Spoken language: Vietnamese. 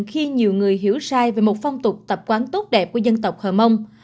khi nhiều người hiểu sai về một phong tục tập quán tốt đẹp của dân tộc hờ mông